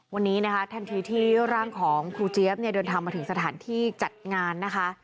วันนี้นะคะทันทีที่ร่างของครูเจี๊ยบเนี่ยเดินทางมาถึงสถานที่จัดงานนะคะ